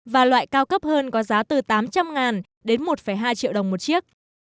và loại cao cấp hơn có giá từ tám trăm linh đến một hai triệu đồng một chiếc